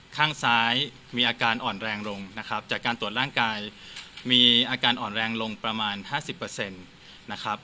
ข้างซ้ายมีอาการอ่อนแรงลงนะครับจากการตรวจร่างกายมีอาการอ่อนแรงลงประมาณ๕๐นะครับ